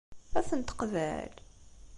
Ad ten-teqbel?